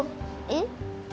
えっ？